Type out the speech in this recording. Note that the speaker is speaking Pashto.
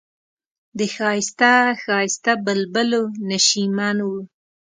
د ښایسته ښایسته بلبلو نشیمن و.